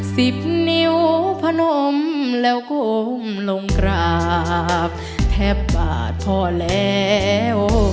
สิบนิ้วพนมแล้วก้มลงกราบแทบปากพอแล้ว